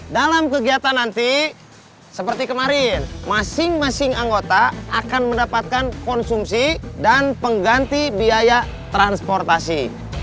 dalam kegiatan nanti seperti kemarin masing masing anggota akan mendapatkan konsumsi dan pengganti biaya transportasi